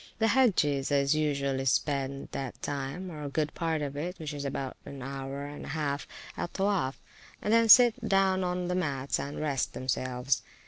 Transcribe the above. The Hagges do usually spend that time, or good part of it (which is about an hour and half), at Towoaf, and then sit down on the mats and rest themselves.